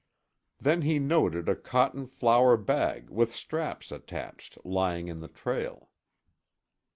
Then he noted a cotton flour bag with straps attached lying in the trail.